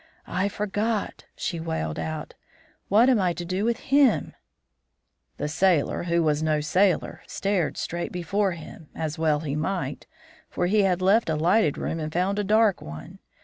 'I forgot,' she wailed out. 'What am I to do with him?' "The sailor, who was no sailor, stared straight before him, as well he might, for he had left a lighted room and found a dark one.